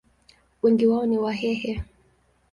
Wengi wao ni Wahehe.